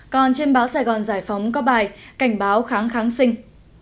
còn trên báo sài gòn giải phóng có bài cảnh báo kháng kháng sinh